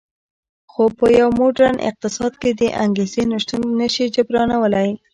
خو په یو موډرن اقتصاد کې د انګېزې نشتون نه شي جبرانولی